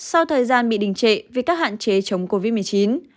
sau thời gian bị đình trệ vì các hạn chế chống covid một mươi chín